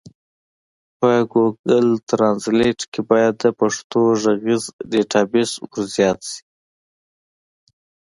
په ګوګل ټرانزلېټ کي بايد د پښتو ږغيز ډيټابيس ورزيات سي.